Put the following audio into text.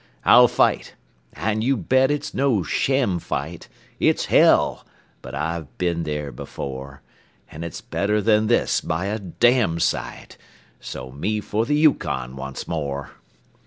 I'll fight and you bet it's no sham fight; It's hell! but I've been there before; And it's better than this by a damsite So me for the Yukon once more.